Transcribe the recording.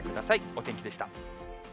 お天気でした。